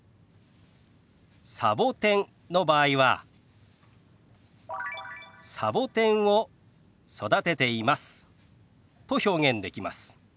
サボテンの場合は「サボテンを育てています」と表現できます。